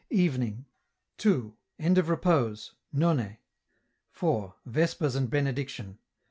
Evening. 2. End of Repose. None. 4. Vespers and Benediction.